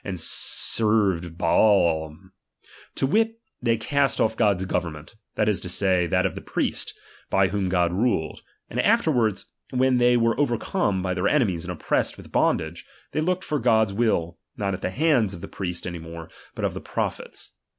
td served Balaam; to wit, they cast oflF God's government, that is to say, that of the priest, by whom God ruled ; and after ward, when they were overcome by their enemies and oppressed with bondagej they looked for God's will, not at the hands of the priest any more, but of the prophets.